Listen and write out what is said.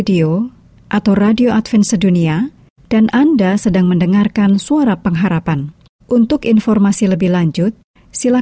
kiranya tuhan memberkati kita semua